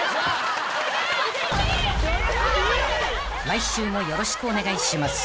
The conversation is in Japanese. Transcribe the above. ［来週もよろしくお願いします］